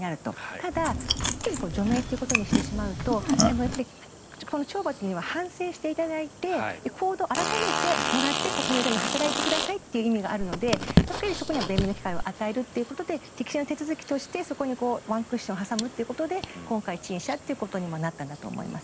ただ一気に除名とするとこの懲罰には反省していただいて行動を改めてもらって国民のために働いてくださいという意味があるので弁明の機会を与えるということで適正な手続きを通してそこにワンクッション挟むということで今回陳謝となったんだと思います。